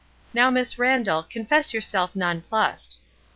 "Now, Miss Randall, confess yovirself non plussed."